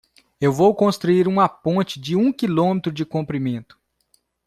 Eu vou construir uma ponte de um quilômetro de comprimento.